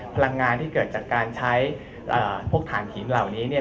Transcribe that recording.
พลังงานที่เกิดจากการใช้พวกฐานหินเหล่านี้เนี่ย